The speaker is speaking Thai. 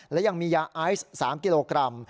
และยังมียาไอซ์๓กิโลกรัม